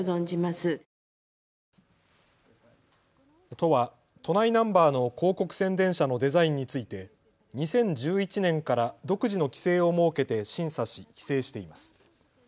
都は都内ナンバーの広告宣伝車のデザインについて２０１１年から独自の規制を設けて審査し、規制しています。